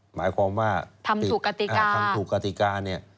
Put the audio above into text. หมายความว่าทำถูกกติกาเนี่ย